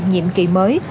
nhiệm kỳ mới